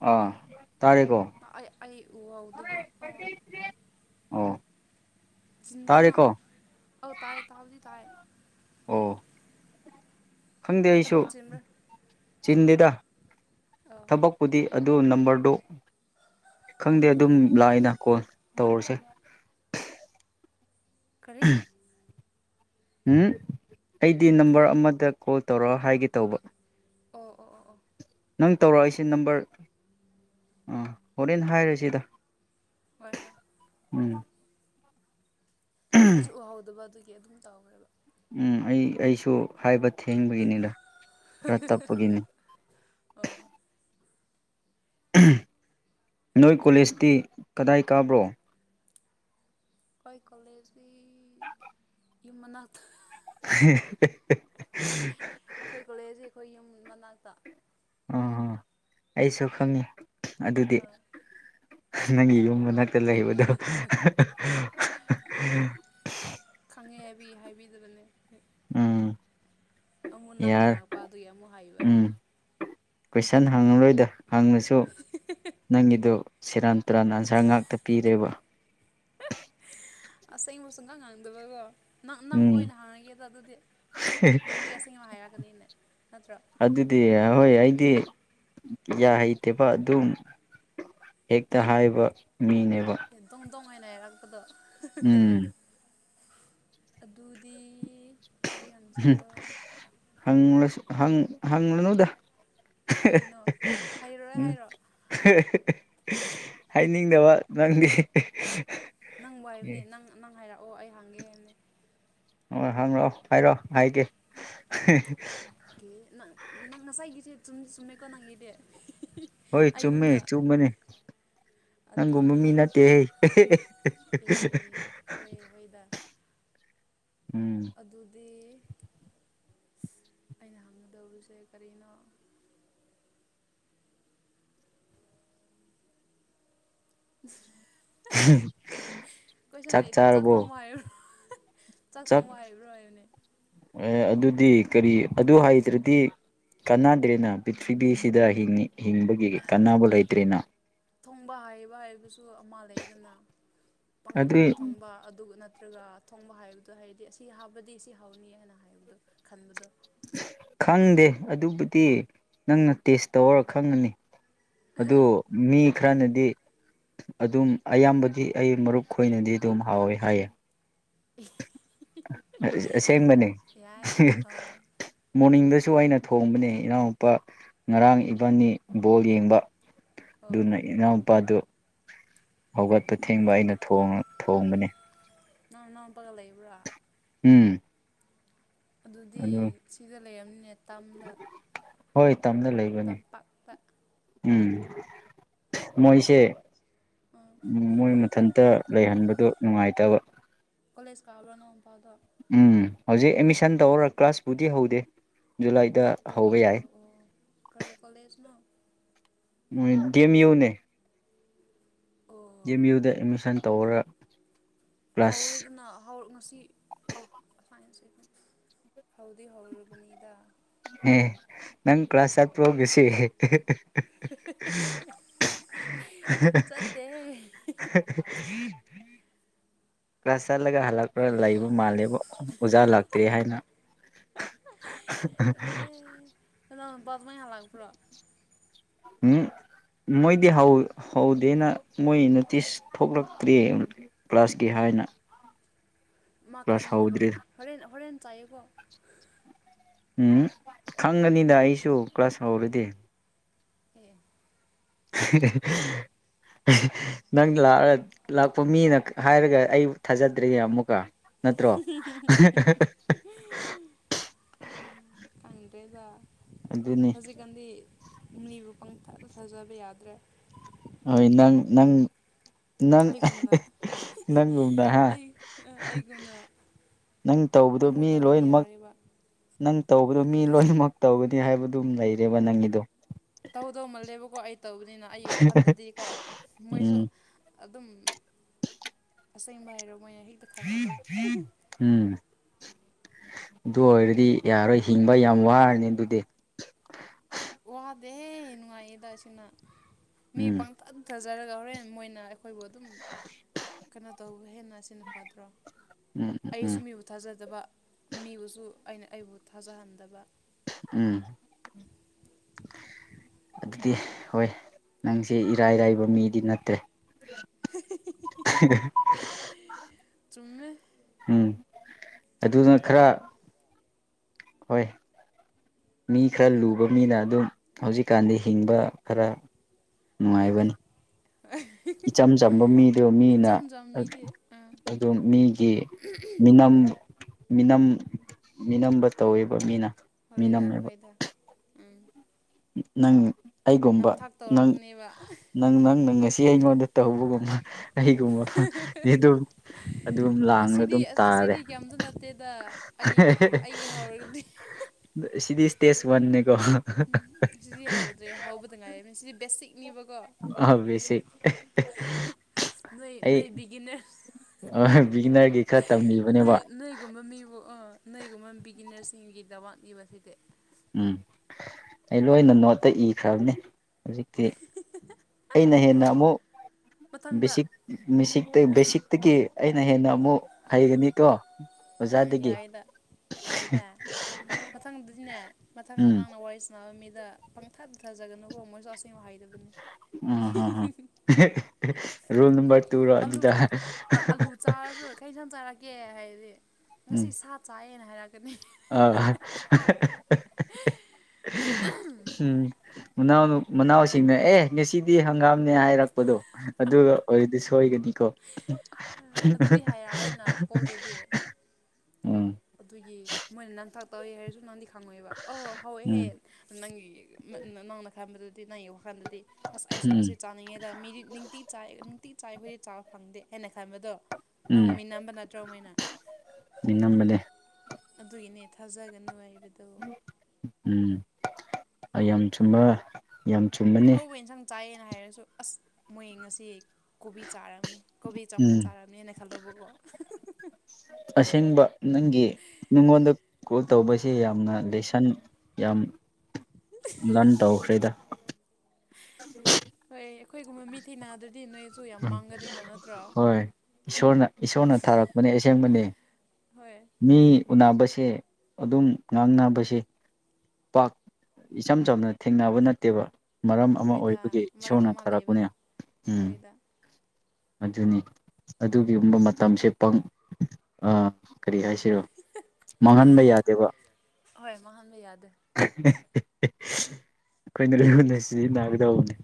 ꯑꯥ ꯇꯥꯔꯦꯀꯣ ꯑꯩ ꯑꯩ ꯎꯍꯎꯗꯕꯥ ꯑꯣ ꯆꯤꯟꯕ꯭ꯔꯅ ꯇꯥꯔꯦꯀꯣ ꯑ ꯇꯥꯏ ꯇꯥꯕꯨꯗꯤ ꯇꯥꯏ ꯑꯣ [unintelligible] ꯆꯤꯟꯗꯤꯗ ꯑꯥ ꯊꯕꯛꯄꯨꯗꯤ ꯑꯗꯨ ꯅꯝꯕꯔꯗꯨ ꯈꯪꯗꯦ ꯑꯗꯨꯝ ꯂꯥꯛꯑꯗ ꯀꯣꯜ ꯇꯧꯔꯁꯦ ꯀꯔꯤ ꯎ ꯑꯩꯗꯤ ꯀꯔꯤ ꯅꯝꯕꯔ ꯑꯃꯗ ꯀꯣꯜ ꯇꯧꯔꯣ ꯍꯥꯏꯒꯦ ꯇꯧꯕ ꯑꯣ ꯑꯣ ꯑꯣ ꯑꯣ ꯅꯪ ꯇꯧꯔꯛꯏꯁꯤ ꯅꯝꯕꯔ ꯑꯥ ꯍꯣꯔꯦꯟ ꯍꯥꯏꯔꯁꯤꯗ ꯍꯣꯏ ꯍꯣꯏ ꯎꯝ ꯑꯩꯁꯨ ꯎꯍꯧꯗꯕ ꯑꯗꯨꯒꯤ ꯑꯗꯨꯝ ꯇꯧꯈ꯭ꯔꯦꯕ ꯎꯝ ꯑꯩ ꯑꯩꯁꯨ ꯍꯥꯏꯕ ꯊꯦꯡꯕꯒꯤꯅꯤꯗ ꯈꯔ ꯇꯞꯄꯒꯤꯅꯤ ꯑꯣ ꯅꯣꯏ ꯀꯣꯂꯦꯖꯇꯤ ꯀꯗꯥꯏ ꯀꯥꯕ꯭ꯔꯣ ꯑꯩ ꯀꯣꯂꯦꯖ ꯏꯅ ꯑꯩꯈꯣꯏ ꯀꯣꯂꯦꯖꯁꯤ [unintelligible] ꯑꯩꯈꯣꯏ ꯌꯨꯝ ꯃꯅꯥꯛꯇ ꯑꯣ ꯑꯩꯁꯨ ꯈꯪꯉꯤ ꯑꯗꯨꯗꯤ ꯑꯥ ꯅꯪꯒꯤ ꯌꯨꯝꯗ ꯅ ꯗꯂꯩꯕꯗꯣ ꯈꯪꯉꯦ ꯍꯥꯏꯕꯤ ꯍꯥꯏꯕꯤꯗꯕꯅꯦ ꯑꯃꯨꯛ ꯅꯪ ꯌꯥꯔ ꯍꯥꯡꯉꯛꯄ ꯑꯗꯨꯏ ꯑꯃꯨꯛ ꯍꯥꯏꯕ ꯎꯝ ꯀꯣꯏꯁꯟ ꯍꯪꯉꯔꯣꯏꯗ ꯍꯪꯉꯁꯨ ꯅꯪꯒꯤꯗꯨ ꯁꯦꯔꯥꯟ ꯇꯨꯔꯥꯟ ꯑꯟꯁꯥꯔ ꯉꯥꯛꯇ ꯄꯤꯔꯦꯕ ꯑꯁꯦꯡ ꯃꯁꯨꯗꯥꯡ ꯉꯥꯡꯗꯕꯣ ꯅꯪ ꯅꯪꯕꯨ ꯎꯝ ꯑꯣꯏꯅ ꯍꯥꯡꯉꯒꯦꯗ ꯑꯗꯨꯗꯤ ꯅꯪꯗꯤ ꯑꯁꯦꯡꯕ ꯍꯥꯏꯔꯛꯀꯅꯤꯅꯦ ꯅꯠꯇ꯭ꯔꯣ ꯑꯗꯨꯗꯤ ꯍꯣꯏ ꯑꯩꯗꯤ ꯌꯥ ꯍꯩꯇꯦꯕ ꯑꯗꯨꯝ ꯍꯦꯛꯇ ꯍꯥꯏꯕ ꯃꯤꯅꯦꯕ [unintelligible] ꯎꯝ ꯑꯗꯨꯗꯤ ꯀꯔꯤ ꯍꯪꯁꯤꯔꯣ ꯎꯝ ꯍꯁꯨ ꯍꯪ ꯍꯪꯅꯗ ꯀꯩꯒꯤꯅꯣ ꯍꯥꯏꯔꯣꯏ ꯍꯥꯏꯔꯣ ꯍꯥꯏꯅꯤꯡꯗꯕ ꯅꯪꯗꯤ ꯅꯪꯕꯨ ꯍꯥꯏꯕꯅꯦ ꯅꯪ ꯅꯪ ꯍꯥꯏꯔꯛꯑꯣ ꯑꯩ ꯍꯥꯡꯒꯦ ꯍꯥꯏꯕꯅꯤ ꯑꯣꯏ ꯍꯪꯑꯣ ꯍꯥꯏꯔꯣ ꯍꯥꯏꯒꯦ ꯀꯦ ꯅꯪ ꯅꯪ ꯉꯁꯥꯏꯒꯤꯁꯦ ꯆꯨꯝꯗꯤ ꯆꯨꯝꯃꯦꯀꯣ ꯅꯪꯒꯤꯗꯤ ꯍꯣꯏ ꯆꯨꯝꯃꯦ ꯑꯩꯒꯨꯝꯅ ꯆꯨꯝꯕꯅꯤ ꯅꯪꯒꯨꯝꯕ ꯑꯗꯨꯗꯤ ꯃꯤ ꯅꯠꯇꯦꯍꯩ ꯑꯦ ꯑꯦ ꯍꯣꯏ ꯍꯣꯏꯗ [unintelligible] ꯑꯗꯨꯗꯤ ꯑꯩꯅ ꯍꯪꯒꯗꯧꯔꯤꯁꯦ ꯀꯔꯤꯅꯣ ꯀꯦꯁꯟ ꯆꯥꯛ ꯂꯩꯗꯦ ꯆ ꯆꯥꯔꯕꯣ ꯊꯥꯎꯃ ꯍꯥꯏꯌ ꯆꯥꯛ ꯊꯣꯡ ꯍꯩꯕ꯭ꯔꯣ ꯍꯥꯏꯕꯅꯦ ꯑꯦ ꯑꯗꯨꯗꯤ ꯀꯔꯤ ꯑꯗꯨ ꯍꯥꯏꯗ꯭ꯔꯗꯤ ꯀꯥꯟꯅꯗ꯭ꯔꯦꯅ ꯄ꯭ꯔꯤꯊꯤꯕꯤꯁꯤꯗ ꯍꯤꯡꯏ ꯍꯤꯡꯕꯒꯤ ꯀꯥꯟꯅꯕ ꯂꯩꯇ꯭ꯔꯦꯅ ꯊꯣꯡꯕ ꯍꯥꯏꯕ ꯍꯥꯏꯕꯁꯨ ꯑꯃ ꯂꯩꯗꯅ ꯑꯗꯨꯏ ꯄꯥꯡꯊꯣꯡꯗ ꯊꯣꯡꯕ ꯑꯗꯨ ꯅꯠꯇ ꯅꯠꯇ꯭ꯔꯒ ꯊꯣꯡꯕ ꯍꯥꯏꯕꯗꯣ ꯍꯥꯏꯔꯗꯤ ꯑꯁꯤ ꯍꯥꯕꯗꯤ ꯁꯤ ꯍꯥꯎꯅꯤ ꯍꯥꯏꯅ ꯍꯥꯏꯕꯗꯣ ꯈꯟꯕꯗꯣ ꯈꯪꯗꯦ ꯑꯗꯨꯕꯨꯗꯤ ꯅꯪꯅ ꯇꯦꯁ ꯇꯧꯔ ꯈꯪꯉꯅꯤ ꯑꯗꯣ ꯃꯤ ꯈꯔꯅꯗꯤ ꯑꯗꯨꯝ ꯑꯌꯥꯝꯕꯗꯤ ꯑꯩ ꯃꯔꯨꯞ ꯈꯣꯏꯅꯗꯤ ꯑꯗꯨꯝ ꯍꯥꯎꯋꯦ ꯍꯥꯏꯌꯦ ꯑꯁꯦꯡꯕꯅꯦ ꯌꯥꯏ ꯑꯥ ꯃꯣꯔꯅꯤꯡꯗꯁꯨ ꯁꯨ ꯑꯩꯅ ꯊꯣꯡꯕꯅꯦ ꯏꯅꯥꯎꯅꯨꯄꯥ ꯉꯔꯥꯡ ꯏꯕꯥꯅꯤ ꯕꯣꯜ ꯌꯦꯡꯕ ꯑꯣ ꯑꯗꯨꯅ ꯏꯅꯥꯎꯄꯥꯗꯨ ꯍꯧꯒꯠꯄ ꯊꯦꯡꯕ ꯑꯩꯅ ꯊꯣꯡꯕꯅꯤ ꯅꯪ ꯅꯪ ꯄꯒ ꯂꯩꯕ꯭ꯔꯥ ꯎꯝ ꯑꯗꯨꯗꯤ ꯑꯗꯨ ꯁꯤꯗ ꯂꯩꯔꯝꯅꯦ ꯇꯝꯗ ꯍꯣꯏ ꯇꯝꯗ ꯂꯩꯕꯅꯦ ꯇꯝꯄꯥꯛꯇ ꯎꯝ ꯃꯣꯏꯁꯦ ꯑꯥ ꯃꯣꯏ ꯃꯊꯟꯇ ꯂꯩꯍꯟꯕꯗꯨ ꯅꯨꯡꯉꯥꯏꯇꯕ ꯀꯂꯦꯖ ꯀꯥꯎꯕꯣꯅꯣꯝꯕꯥꯎꯗꯣ ꯎꯝ ꯍꯧꯖꯤꯛ ꯑꯦꯠꯃꯤꯁꯟ ꯇꯧꯔ ꯀ꯭ꯂꯥꯁꯄꯨꯗꯤ ꯍꯧꯗꯦ ꯖꯨꯂꯥꯏꯗ ꯑꯣ ꯍꯧꯕ ꯌꯥꯏ ꯑꯣ ꯑꯣ ꯀꯔꯤ ꯀꯣꯂꯦꯖꯅꯣ ꯃꯣꯏ ꯗꯤ ꯑꯦꯝ ꯌꯨ ꯅꯦ ꯑꯣ ꯑꯦꯝ ꯌꯨꯗ ꯑꯦꯠꯃꯤꯁꯟ ꯇꯧꯔ ꯀ꯭ꯂꯥꯁ ꯍꯧꯔꯦꯗꯅ ꯉꯁꯤ ꯑ ꯍꯧꯗꯤ ꯍꯧꯔꯨꯔꯕꯅꯤꯗ ꯎꯝ ꯅꯪ ꯀ꯭ꯂꯥꯁ ꯆꯠꯄ꯭ꯔꯣ ꯉꯁꯤ ꯆꯠꯇꯦ ꯀ꯭ꯂꯥꯁ ꯆꯥꯒ ꯍꯜꯂꯛꯔ ꯂ ꯃꯥꯜ ꯑꯣꯖꯥ ꯂꯥꯛꯇ꯭ꯔꯦ ꯍꯥꯏꯅ ꯗꯃꯩ ꯍꯥꯂꯒꯄ꯭ꯔꯣ ꯎꯝ ꯃꯣꯏꯗꯤ ꯍꯧꯗꯦꯅ ꯃꯣꯏ ꯅꯣꯇꯤꯁ ꯊꯣꯛꯂꯛꯇ꯭ꯔꯦ ꯀ꯭ꯂꯥꯁꯀꯤ ꯍꯥꯏꯅ ꯃꯥ ꯀ꯭ꯂꯥꯁ ꯍꯧꯗ꯭ꯔꯤ ꯀꯥꯅꯤꯡꯗꯕꯒꯤꯅꯦ ꯍꯣꯔꯦꯟ ꯍꯣꯔꯦꯟ ꯆꯥꯏꯌꯦꯀꯣ ꯎꯝ ꯈꯪꯒꯅꯤꯗ ꯑꯩꯁꯨ ꯀ꯭ꯂꯥꯁ ꯍꯧꯔꯗꯤ ꯑꯦ ꯍꯍꯍ ꯅꯪ ꯂꯥꯛꯄ ꯃꯤꯅ ꯍꯥꯏꯔꯒ ꯑꯩ ꯊꯥꯖꯗ꯭ꯔꯦ ꯑꯃꯨꯛꯀ ꯅꯠꯇ꯭ꯔꯣ ꯑꯩꯕ ꯑꯗꯨꯅꯤ ꯍꯧꯖꯤꯛꯀꯥꯟꯗꯤ ꯃꯤꯅꯤꯕꯨ ꯄꯪꯊꯥꯗ ꯊꯥꯖꯕ ꯌꯥꯗ꯭ꯔꯦ ꯍꯣꯏ ꯅꯪ ꯅꯪ ꯅꯪ ꯑꯩꯒꯨꯝꯅ ꯅꯪꯒꯨꯝꯅ ꯍꯥ ꯑꯩꯒꯨꯝꯅ ꯅꯪ ꯇꯧꯕꯗꯣ ꯑꯃꯨꯛ ꯃꯤ ꯇꯧꯔꯗꯤ ꯂꯣꯏꯅꯃꯛ ꯌꯥꯔꯣꯏꯕ ꯅꯪ ꯇꯧꯕꯗꯣ ꯃꯤ ꯂꯣꯏꯅꯃꯛ ꯇꯧꯒꯅꯤ ꯍꯥꯏꯕꯗꯨꯝ ꯂꯩꯔꯦꯕ ꯅꯪꯒꯤꯗꯣ ꯇꯧꯗꯧ ꯃꯜꯂꯦꯕꯀꯣ ꯑꯩ ꯇꯧꯕꯅꯤꯅ ꯑꯩꯒꯤ ꯋꯥꯈꯜꯗꯗꯤ ꯀꯣ ꯃꯣꯏꯁꯨ ꯎꯝ ꯑꯗꯨꯝ ꯑꯁꯦꯡꯕ ꯍꯥꯏꯔꯣ ꯃꯣꯏꯅ ꯍꯦꯛꯇ ꯈꯟꯕꯗꯣ ꯎꯝ ꯑꯗꯨ ꯑꯣꯏꯔꯗꯤ ꯌꯥꯔꯣꯏ ꯍꯤꯡꯕ ꯌꯥꯝ ꯋꯥꯔꯅꯤ ꯑꯗꯨꯗꯤ ꯋꯥꯗꯦ ꯅꯨꯡꯉꯥꯏ ꯌꯦꯗ ꯁꯤꯅ ꯃꯤ ꯎꯝ ꯄꯥꯡ ꯇ ꯐꯖꯔꯒ ꯍꯣꯔꯦꯟ ꯃꯣꯏꯅ ꯑꯩꯈꯣꯏꯕꯨ ꯑꯗꯨꯝ ꯀꯩꯅꯣ ꯇꯧꯕ ꯍꯦꯟꯅ ꯑꯁꯤꯅ ꯐꯗ꯭ꯔꯣ ꯎꯝ ꯎꯝ ꯑꯩꯁꯨ ꯎꯝ ꯃꯤꯕꯨ ꯊꯥꯖꯗꯕ ꯃꯤꯕꯨꯁꯨ ꯑꯩꯅ ꯑꯩꯕꯨ ꯊꯥꯖꯍꯟꯗꯕ ꯎꯝ ꯑꯗꯨꯗꯤ ꯍꯣꯏ ꯅꯪꯁꯦ ꯏꯔꯥꯏꯔꯥꯏꯕ ꯃꯤꯗꯤ ꯅꯠꯇ꯭ꯔꯦ ꯍꯍ ꯆꯨꯝꯃꯦ ꯎꯝ ꯑꯗꯨꯅ ꯈꯔ ꯍꯣꯏ ꯃꯤ ꯈꯔ ꯂꯨꯕ ꯃꯤꯅ ꯑꯗꯨꯝ ꯍꯧꯖꯤꯛꯀꯥꯟꯗꯤ ꯍꯤꯡꯕ ꯈꯔ ꯅꯨꯡꯉꯥꯏꯕꯅꯤ ꯍꯣꯏꯅꯦ ꯏꯆꯝ ꯆꯝꯕ ꯃꯤꯗꯨ ꯃꯤꯅ ꯏꯆꯝ ꯆꯝꯃꯤꯗꯤ ꯑꯥ ꯑꯗꯨ ꯃꯤꯒꯤ ꯃꯤꯅꯝ ꯃꯤꯅꯝ ꯃꯤꯅꯝꯕ ꯇꯧꯋꯦꯕ ꯃꯤꯅ ꯍꯣꯏꯗ ꯃꯤꯅꯝꯃꯦꯕ ꯍꯣꯏꯗ ꯎꯝ ꯅꯪ ꯑꯩꯒꯨꯝꯕ ꯅꯝꯊꯥꯛ ꯅꯪ ꯇꯧꯔꯛꯀꯅꯦꯕ ꯅꯪ ꯅꯪ ꯉꯁꯤ ꯑꯩꯉꯣꯟꯗ ꯇꯧꯕꯒꯨꯝꯕ ꯀꯩꯒꯨꯝꯕ ꯃꯤ ꯑꯗꯨꯝ ꯑꯗꯨꯝ ꯂꯥꯡꯅ ꯑꯗꯨꯝ ꯑꯁꯤꯗꯤ ꯇꯥꯔꯦ ꯑꯁꯤꯗꯤ ꯀꯩꯝꯇ ꯅꯠꯇꯦꯗ ꯑꯩꯒꯤ ꯑꯩꯒꯤ ꯍꯧꯔꯒꯗꯤ ꯁꯤꯗꯤꯁꯇꯦꯁ ꯋꯥꯟꯅꯤꯀꯣ ꯁꯤꯗꯤ ꯍꯧꯗ꯭ꯔꯦ ꯍꯧꯕꯗ ꯉꯥꯏꯔꯅꯤ ꯁꯤꯗꯤ ꯕꯦꯁꯤꯛꯅꯦꯕꯀꯣ ꯑꯣ ꯕꯦꯁꯤꯛ ꯅꯣꯏ ꯅꯣꯏꯕꯤꯒꯤꯅꯦ ꯑ ꯕꯤꯒꯅꯔꯒꯤ ꯈꯔ ꯇꯝꯕꯤꯕꯅꯦꯕ ꯒꯤꯅꯔꯁꯤꯡꯒꯤꯗꯋꯥꯥꯛ ꯅꯤꯕꯁꯤꯗꯤ ꯎꯝ ꯑꯩ ꯂꯣꯏꯅ ꯅꯣꯠꯇ ꯏꯈ꯭ꯔꯕꯅꯦ ꯍꯧꯖꯤꯛꯇꯤ ꯑꯩꯅ ꯍꯦꯟꯅ ꯑꯃꯨꯛ ꯃꯊꯪꯗ ꯕꯦꯁꯤꯛꯇꯒꯤ ꯑꯩꯅ ꯍꯦꯟꯅ ꯑꯃꯨꯛ ꯍꯩꯒꯅꯤꯀꯣ ꯑꯣꯖꯥꯗꯒꯤ ꯌꯥꯏꯗ ꯌꯥꯏꯗ ꯃꯊꯪꯗꯗꯤꯅꯦ ꯃꯊꯪꯗ ꯎꯝ ꯅꯪꯅ ꯋꯥꯔꯤ ꯁꯥꯟꯅꯕ ꯃꯤ ꯗ ꯄꯪꯊꯗꯊꯥꯖꯒꯅꯧꯀꯣ ꯃꯣꯏꯁꯨ ꯑꯁꯦꯡꯕ ꯍꯩꯇꯕꯅꯤ ꯎꯝ ꯍꯝ ꯔꯨꯜ ꯅꯝꯕꯔ ꯇꯨꯔꯣ ꯑꯂꯨ ꯑꯗꯨꯗ ꯑꯥꯂꯨ ꯆꯥꯔꯁꯨ ꯀꯩ ꯁꯥꯟ ꯆꯥꯔꯛꯀꯦ ꯍꯥꯏꯗꯤ ꯎꯝ ꯉꯁꯤ ꯁꯥ ꯆꯥꯢꯌꯦꯅ ꯑ ꯎꯝ ꯃꯅꯥꯎ ꯃꯅꯥꯎꯁꯤꯡꯅ ꯑꯦ ꯉꯁꯤꯗꯤ ꯍꯪꯒꯥꯝꯅꯦ ꯍꯥꯏꯔꯛꯄꯗꯣ ꯑꯗꯨꯒ ꯑꯣꯏꯔꯗꯤ ꯁꯣꯏꯒꯅꯤꯀꯣ ꯑꯗꯨꯗꯤ ꯍꯥꯏꯔꯛꯑꯔꯣꯏꯅ ꯀꯣꯜꯗꯗꯤ [unintelligible] [inaudible] ꯑꯗꯨꯒꯤ ꯃꯣꯏꯅ ꯅꯪ ꯊꯥꯛ ꯇꯧꯋꯦ ꯍꯥꯏꯔꯁꯨ ꯅꯪꯗꯤ ꯈꯪꯉꯣꯏꯦꯕ ꯑꯣ ꯍꯧꯋꯦ ꯍꯦ ꯎꯝ ꯅꯪꯒꯤ ꯅꯪꯅ ꯈꯟꯕꯗꯗꯤ ꯅꯪ ꯌꯦꯡ ꯋꯥ ꯀꯥꯟꯗꯗꯤ ꯑꯁ ꯑꯩꯁꯨ ꯎꯝ ꯉꯁꯤ ꯆꯥꯅꯤꯡꯉꯦꯗ ꯃꯤꯗꯤ ꯇꯤ ꯆꯥꯏ ꯅꯨꯡꯇꯤ ꯆꯥꯏꯈꯣꯏꯗꯤ ꯆꯥꯕ ꯐꯪꯗꯦ ꯍꯥꯏꯅ ꯈꯟꯕꯗꯣ ꯅꯪ ꯎꯝ ꯃꯤꯠ ꯅꯝꯕ ꯅꯠꯇ꯭ꯔꯣ ꯃꯩꯅ ꯅꯤꯡꯉꯝꯕꯅꯦ ꯑꯗꯨꯒꯤꯅꯦ ꯊꯥꯖꯒꯅꯨ ꯍꯥꯏ ꯎꯝ ꯑꯩ ꯌꯥꯝ ꯁꯨꯝꯕ ꯌꯥꯝ ꯆꯨꯝꯃꯅꯤ ꯑꯍꯥꯎꯕ ꯏꯟꯁꯥꯡ ꯆꯥꯏꯌꯦꯅ ꯍꯥꯏꯔꯁꯨ ꯑꯁ ꯃꯣꯏꯌꯦꯡ ꯉꯁꯤ ꯀꯣꯕꯤ ꯆꯥꯝꯅꯤ ꯀꯣꯕꯤ ꯆꯝꯐꯨꯠ ꯎꯝ ꯆꯥꯔꯕꯅꯦꯅ ꯈꯜꯂꯧꯕꯀꯣ ꯑꯁꯦꯡꯕ ꯅꯪꯒꯤ ꯅꯪꯉꯣꯟꯗ ꯀꯣꯜ ꯇꯧꯕꯁꯦ ꯌꯥꯝꯅ ꯂꯩꯁꯟ ꯌꯥꯝ ꯂꯟ ꯇꯧꯈ꯭ꯔꯦꯗ ꯑꯩ ꯑꯩꯈꯣꯏꯒꯨꯝꯕ ꯃꯤ ꯊꯤ ꯅꯥꯗ꯭ꯔꯗꯤ ꯅꯣꯏ ꯎꯝ ꯍꯣꯏ ꯏꯁꯣꯔꯅ ꯏꯁꯣꯔꯅ ꯊꯥꯔꯛꯄꯅꯦ ꯑꯁꯦꯡꯕꯅꯤ ꯍꯣꯏ ꯃꯤ ꯎꯅꯕꯁꯦ ꯑꯗꯨꯝ ꯉꯥꯡꯅꯕꯁꯦ ꯄꯥꯛ ꯏꯆꯝ ꯆꯝꯅ ꯊꯦꯡꯅꯕ ꯅꯠꯇꯦꯕ ꯃꯔꯝ ꯑꯃ ꯍꯣꯏꯗ ꯑꯣꯏꯕꯒꯤ ꯃꯔꯝ ꯏꯁꯣꯔꯅ ꯑꯃ ꯊꯔꯛꯄꯅꯦ ꯂꯩꯕꯅꯤ ꯎꯝ ꯍꯣꯏꯗ ꯑꯗꯨꯅꯤ ꯑꯗꯨꯒꯤꯒꯨꯝꯕ ꯃꯇꯝꯁꯦ ꯄꯪ ꯀꯔꯤ ꯍꯥꯏꯁꯤꯔꯣ ꯃꯥꯡꯍꯟꯕ ꯌꯥꯗꯦꯕ ꯍꯣꯏ ꯃꯍꯟꯕ ꯌꯥꯗꯦ ꯑꯩꯈꯣꯏꯅ ꯂꯣꯏꯒꯨꯅꯁꯤ ꯅꯥꯒꯗꯧꯕꯅꯦ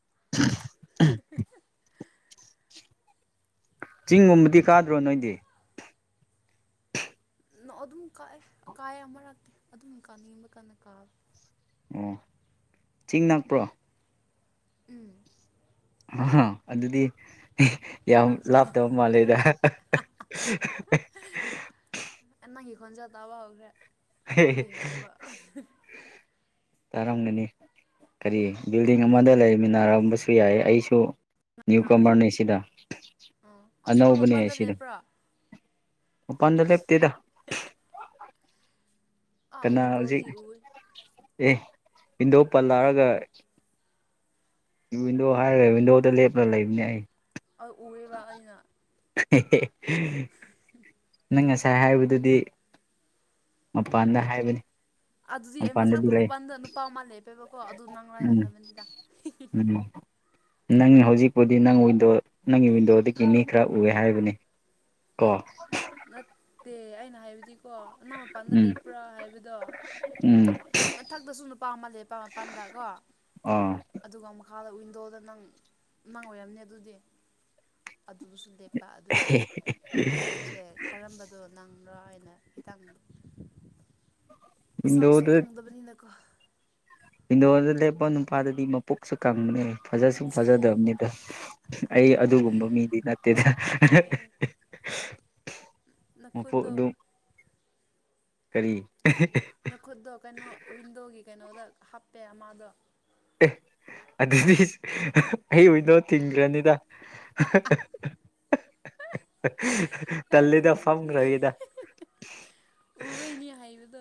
[unintelligible] [inaudible] ꯆꯤꯡꯒꯨꯝꯕꯗꯤ ꯀꯥꯗ꯭ꯔꯣ ꯅꯣꯏꯗꯤ ꯅ ꯑꯗꯨꯝ ꯀꯥꯏꯑꯦ ꯀꯥꯏ ꯑꯃꯔꯛꯇꯦ ꯑꯗꯨꯝ ꯀꯥꯅꯤꯡꯕ ꯀꯟꯅ ꯀꯥꯕ ꯑꯣ ꯆꯤꯡ ꯅꯛꯄ꯭ꯔꯣ ꯎꯝ ꯑ ꯑꯗꯨꯗꯤ ꯌꯥꯝ ꯅꯪꯁꯨ ꯂꯥꯞꯇꯕ ꯃꯥꯜꯂꯦꯗ ꯅꯪꯒꯤ ꯈꯣꯟꯖꯥ ꯇꯥꯕ ꯍꯧꯈ꯭ꯔꯦ ꯐꯣꯟꯗ ꯅꯠꯇꯕ ꯇꯥꯔꯝꯒꯅꯤ ꯀꯔꯤ ꯕꯤꯜꯗꯤꯡ ꯑꯃꯗ ꯂꯩꯃꯤꯟꯅꯔꯝꯕꯁꯨ ꯌꯥꯏ ꯑꯩꯁꯨ ꯅ꯭ꯌꯨ ꯀꯃꯔꯅꯦ ꯁꯤꯗ ꯑꯁ ꯅꯪ ꯑꯅꯧꯕꯅꯦ ꯃꯄꯥꯟꯗ ꯁꯤꯗ ꯂꯦꯞꯄ꯭ꯔꯣ ꯃꯄꯗ ꯂꯦꯞꯇꯗ ꯑꯥ ꯀꯅꯥ ꯍꯧꯖꯤꯛ ꯋꯤꯟꯗꯣꯗꯒꯤ ꯎꯏ ꯑꯦ ꯄꯟꯊꯣꯛ ꯄꯜ ꯂꯥꯑꯒ ꯋꯤꯟꯗꯣ ꯍꯥꯏꯔꯦ ꯋꯤꯟꯗꯣꯗ ꯂꯦꯞꯂꯒ ꯂꯩꯕꯅꯦ ꯑꯩ ꯎꯕ ꯑꯩꯅ ꯅꯪ ꯉꯁꯥꯏ ꯍꯥꯏꯕꯗꯨꯗꯤ ꯃꯄꯥꯟꯗ ꯍꯥꯏꯕꯅꯤ ꯑꯗꯨꯗꯤ ꯑꯩ ꯃꯄꯥꯟꯗꯗꯤ ꯃꯊꯥꯛꯇ ꯂꯩ ꯃꯄꯥꯟꯗ ꯅꯨꯄꯥ ꯃꯥ ꯂꯦꯞꯄꯦꯕꯀꯣ ꯑꯗꯨ ꯅꯪ ꯂꯥꯏꯅ ꯎꯝ ꯈꯟꯕꯅꯤꯗ ꯎꯝ ꯅꯪ ꯍꯧꯖꯤꯛꯄꯨꯗꯤ ꯅꯪ ꯋꯤꯟꯗꯣ ꯅꯪꯒꯤ ꯋꯤꯟꯗꯣꯗꯒꯤ ꯃꯤ ꯈꯔ ꯎꯑꯦ ꯍꯥꯏꯕꯅꯤ ꯀꯣ ꯅꯠꯇꯦ ꯑꯩꯅ ꯍꯥꯏꯕꯗꯤ ꯀꯣ ꯑꯅꯥ ꯃꯄꯥꯟꯗ ꯎꯝ ꯂꯦꯞꯄ꯭ꯔꯥ ꯍꯥꯏꯕꯗꯣ ꯎꯝ ꯃꯊꯛꯇꯁꯨ ꯑꯄꯥꯝꯃꯜ ꯂꯩ ꯑꯄꯥꯝ ꯃꯄꯥꯟꯗ ꯀꯣ ꯑꯥ ꯥꯗ ꯋꯤꯟꯗꯣꯗ ꯅꯪ ꯅꯪ ꯑꯣꯏꯔꯝꯅꯦ ꯑꯗꯨꯗꯤ ꯑꯗꯨꯗꯨꯁꯨ ꯂꯦꯞꯄꯤ ꯑꯗꯨꯒꯤ ꯑꯩꯁꯦ ꯀꯔꯝꯕꯗꯣ ꯅꯪꯕꯣ ꯍꯥꯏꯅ ꯍꯈꯤꯇꯥꯡꯗ ꯆꯥꯛꯁꯨ ꯈꯪꯗꯕꯅꯤꯅꯀꯣ ꯍꯗꯣꯜꯗ ꯂꯦꯞꯄ ꯅꯨꯄꯥꯗꯗꯤ ꯃꯄꯣꯛꯁꯨ ꯀꯪꯕꯅꯦ ꯐꯖ ꯁꯁꯨ ꯐꯖꯗꯕꯅꯤꯗ ꯑꯩ ꯑꯗꯨꯒꯨꯝꯕ ꯃꯤꯗꯤ ꯅꯠꯇꯦꯗ ꯃꯄꯣꯛ ꯅꯈꯨꯗ ꯑꯗꯨꯝ ꯀꯔꯤ ꯅꯈꯨꯠꯇꯣ ꯀꯩꯅꯣ ꯋꯤꯟꯗꯣꯒꯤ ꯀꯩꯅꯣꯗ ꯍꯥꯞꯄꯦ ꯃꯥꯗꯣ ꯑꯦ ꯑꯗꯨꯗꯤ ꯑꯩ ꯑꯣꯏꯅꯣ ꯊꯤꯡꯈ꯭ꯔꯅꯤꯗ [unintelligible] ꯇꯜꯜꯂꯤꯗ ꯐꯝ ꯑꯩ ꯔꯕꯤꯗ ꯎꯕꯩꯅꯤ ꯍꯥꯏꯕꯗꯣ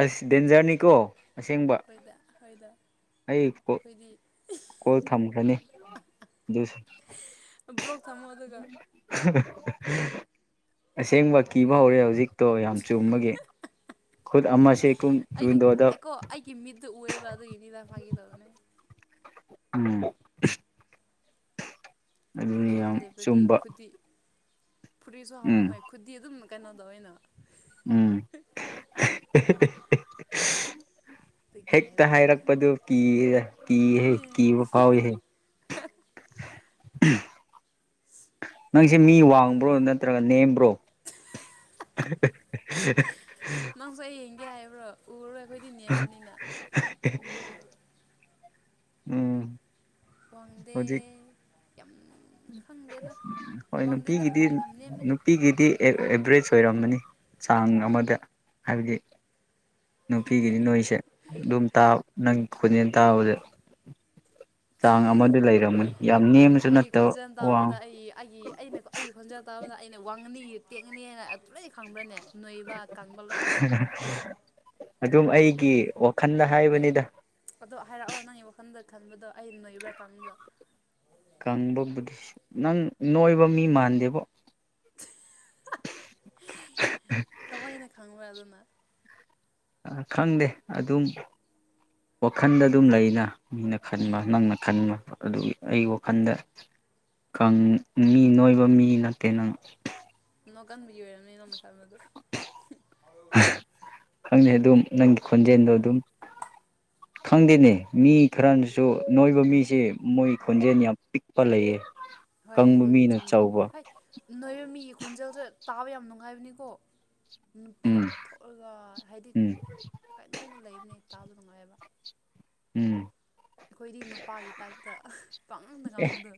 ꯑ ꯗꯦꯟꯖꯔꯅꯤ ꯀꯣ ꯑꯁꯦꯡꯕ ꯑꯩꯈꯣꯏꯗ ꯑꯩꯈꯣꯏꯗ ꯑꯩ ꯑꯩꯈꯣꯏꯗꯤ ꯀꯣꯜ ꯊꯝꯈ꯭ꯔꯅꯤ ꯁ ꯆꯃꯗꯨꯒ ꯑꯁꯦꯡꯕ ꯀꯤꯕ ꯍꯧꯔꯦ ꯏꯔꯦꯅ ꯍꯧꯖꯤꯛꯇꯣ ꯌꯥꯝ ꯆꯨꯝꯃꯒꯤ ꯈꯨꯠ ꯑꯃꯁꯦ ꯀꯨꯡ ꯌꯨꯗꯣꯗ ꯑꯗꯨ ꯏꯅꯅꯤꯗ ꯐꯉꯂ ꯑꯗꯨꯅ ꯑꯝꯕ ꯋꯤꯟꯗꯣꯗ ꯂꯩꯕꯗꯤ ꯈꯨꯗꯤ ꯐꯨꯔꯤꯁꯨ ꯎꯝ ꯍꯥꯎꯔꯝꯃꯣꯏ ꯈꯨꯗꯤ ꯑꯗꯨꯝ ꯀꯩꯅꯣꯗꯧ ꯑꯩꯅ ꯎꯝ ꯑꯗꯨꯒꯤ ꯍꯦꯛꯇ ꯍꯥꯏꯕꯅꯤꯗ ꯍꯥꯏꯔꯛꯄꯗꯨ ꯀꯤ ꯀꯤꯍꯦ ꯀꯤꯕ ꯐꯥꯎꯏꯍꯦ ꯑꯦ [unintelligible] ꯅꯪꯁꯦ ꯃꯤ ꯋꯥꯡꯕ꯭ꯔꯣ ꯅꯠꯇ꯭ꯔꯒ ꯅꯦꯝꯕ꯭ꯔꯣ [unintelligible] ꯅꯪꯁꯨ ꯑꯩ ꯌꯦꯡꯒꯦ ꯍꯥꯏꯕ꯭ꯔꯣ ꯎꯔꯣꯏ [unintelligible] ꯎꯝ ꯀꯣꯟꯗꯦ ꯍꯧꯖꯤꯛ ꯍꯣꯏ ꯋꯥꯡꯗꯦꯗ ꯅꯨꯄꯤꯒꯤꯗꯤ ꯌꯥꯝ ꯅꯦꯝꯕꯅꯦ ꯅꯨꯄꯤꯒꯤꯗꯤ ꯑꯦꯚꯔꯦꯖ ꯑꯣꯏꯔꯝꯃꯅꯤ ꯇꯥꯡ ꯑꯃꯗ ꯍꯥꯏꯕꯗꯤ ꯅꯨꯄꯤꯒꯤꯗꯤ ꯅꯣꯏꯁꯦ ꯑꯗꯨꯝꯥ ꯅꯪ ꯈꯣꯟꯖꯦꯜ ꯇꯥꯕꯗ ꯆꯥꯡ ꯑꯃꯗꯤ ꯂꯩꯔꯝꯃꯅꯤ ꯌꯥꯝ ꯅꯦꯝꯕꯁꯨ ꯑꯩꯒꯤ ꯅꯠꯇ ꯈꯣꯟꯖꯦꯜ ꯇꯥꯕꯗ ꯑꯩ ꯑꯩꯒꯤ ꯑꯩꯅ ꯑꯩꯒꯤ ꯈꯣꯟꯖꯦꯜ ꯇꯥꯕꯗ ꯑꯩꯅ ꯋꯥꯡꯉꯅꯤ ꯇꯦꯛꯉꯅꯤꯅ ꯂꯣꯏꯅ ꯈꯪꯕ꯭ꯔꯅꯦ ꯅꯣꯏꯕ ꯀꯥꯡꯪꯕ ꯂꯣꯏꯅ ꯑꯗꯨꯝ ꯑꯩꯒꯤ ꯋꯥꯈꯜꯗ ꯍꯥꯏꯕꯅꯤꯗ ꯑꯗꯣ ꯍꯥꯏꯔꯛꯑꯣ ꯅꯪꯒꯤ ꯋꯥꯈꯜꯗ ꯈꯟꯕꯗꯣ ꯑꯩ ꯅꯣꯏꯕ꯭ꯔꯥ ꯀꯥꯡꯪꯕ꯭ꯔꯥ ꯀꯪꯕ ꯕꯨꯙꯤꯁ ꯅꯪ ꯅꯣꯏꯕ ꯃꯤ ꯃꯥꯟꯗꯦꯕꯣ ꯀꯃꯥꯏꯅ ꯈꯪꯕ ꯑꯗꯨꯅ ꯈꯪꯗꯦ ꯑꯗꯨꯝ ꯋꯥꯈꯜꯗ ꯑꯗꯨꯝ ꯂꯩꯅ ꯃꯤꯅ ꯈꯟꯕ ꯅꯪꯅ ꯈꯟꯕ ꯑꯗꯨ ꯑꯩꯒꯤ ꯋꯥꯈꯜꯗ ꯃꯤ ꯅꯣꯏꯕ ꯃꯤ ꯅꯠꯇꯦ ꯅꯪ ꯅꯣ ꯀꯟꯕꯒꯤ ꯑꯣꯏꯔꯝꯅꯦ ꯅꯣꯡꯃꯜꯕꯗꯣ ꯈꯪꯉꯦ ꯑꯗꯨꯝ ꯅꯪꯒꯤ ꯈꯣꯟꯖꯦꯜꯗꯣ ꯑꯗꯨꯝ ꯈꯪꯗꯦꯅꯦ ꯃꯤ ꯈꯔꯅꯁꯨ ꯅꯣꯏꯕ ꯃꯤꯁꯦ ꯃꯣꯏ ꯈꯣꯟꯖꯦꯜ ꯌꯥꯝ ꯄꯤꯛꯄ ꯂꯩꯌꯦ ꯍꯣꯏ ꯀꯪꯕ ꯑꯗꯨꯗꯤ ꯃꯤꯅ ꯆꯨꯝꯕꯅꯤ ꯆꯥꯎꯕ ꯍꯣꯏ ꯅꯣꯏ ꯃꯤꯒꯤ ꯈꯣꯟꯖꯦꯜꯗ ꯇꯥꯕ ꯌꯥꯝ ꯅꯨꯡꯉꯥꯏꯕꯅꯤꯀꯣ ꯅꯨꯄꯤ ꯎꯝ ꯌꯥꯝ ꯊꯣꯛꯑꯒ ꯍꯥꯏꯗꯤ ꯎꯝ ꯀꯩꯅꯣꯃ ꯂꯩꯕꯅꯦ ꯇꯥꯕ ꯅꯨꯡꯉꯥꯏꯑꯕ ꯎꯝ ꯑꯩꯈꯣꯏꯗꯤ ꯅꯨꯄꯥꯒꯤ ꯇꯥꯏꯞꯇ ꯄꯥꯡꯉꯗ ꯑꯦ ꯀꯥꯡꯉꯨꯗꯣ